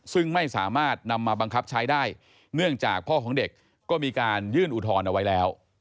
ซึ่งไม่สามารถนำมาบังคับใช้ได้เนื่องจากพ่อของเด็กก็มีการยื่นอุทธรณ์เอาไว้แล้ว